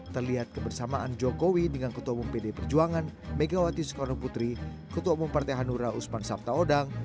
terlihat kebersamaan jokowi dengan ketua umum pd perjuangan megawati soekarno putri ketua umum partai hanura usman sabtaodang